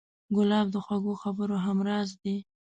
ګلاب د خوږو خبرو همراز دی.